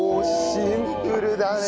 シンプルだねえ。